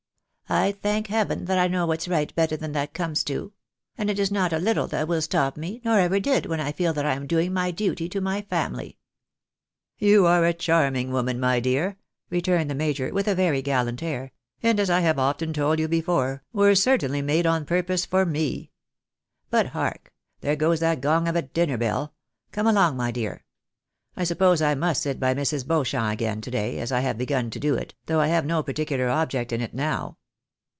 I thank heaven that I know what's right better than that comes to — and it is not a Uttle that will stop me, nor ever did, when I feel that I am doing my duty to my family." " You are a charming woman, my dear," returned the major, 94 THE BAENABYS IN AMERICA. with a very gallant air, " and as I have often told you before, were certainly made on purpose for me. But hark !— there goes that gong of a dinner bell — come along, my dear ! I suppose I must sit by Mrs. Beauchamp again to day, as I have begun to do it, though I have no particular object in it now."